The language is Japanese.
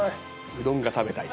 「うどんが食べたい」